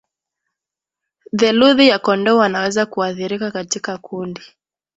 Theluthi ya kondoo wanaweza kuathirika katika kundi